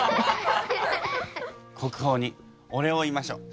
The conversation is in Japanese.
国宝にお礼を言いましょう。